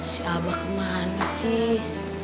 si abah kemana sih